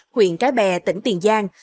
huyện trái bè tỉnh tiền giang